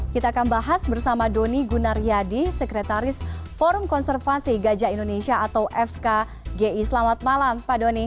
kita akan bahas bersama doni gunaryadi sekretaris forum konservasi gajah indonesia atau fkgi selamat malam pak doni